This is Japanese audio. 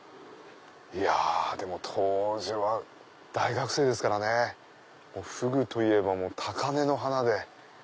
いやでも当時は大学生ですからねフグといえば高根の花で。